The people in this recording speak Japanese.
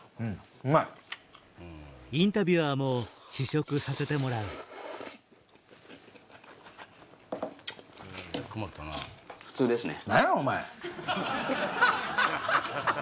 インタビュアーも試食させてもらうハハハハ！